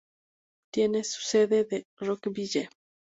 Tiene su sede en Rockville.